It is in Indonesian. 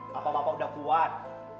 bapak bapak udah kuat